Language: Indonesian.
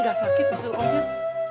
gak sakit bisul om jin